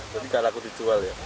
jadi tidak laku dijual ya